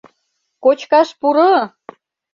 Кочкаш пуро!